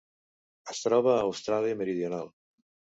Es troba a Austràlia Meridional.